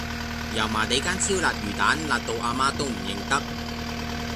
油麻地間超辣魚蛋辣到阿媽都唔認得